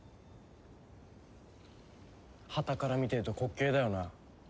はたから見てると滑稽だよな。